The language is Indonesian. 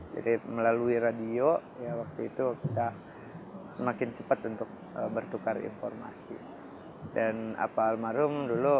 jadi melalui radio ya waktu itu kita semakin cepat untuk bertukar informasi dan apa almarhum dulu